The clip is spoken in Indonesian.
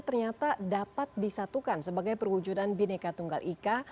ternyata dapat disatukan sebagai perwujudan bineka tunggal ika